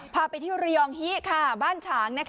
พาไปที่เรียองฮิค่ะบ้านถาง